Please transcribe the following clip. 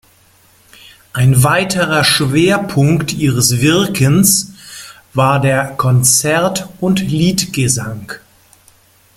Ein weiterer Schwerpunkt ihres Wirkens war der Konzert- und Liedgesang.